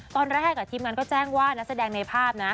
ตอนแรกทีมงานก็แจ้งว่านักแสดงในภาพนะ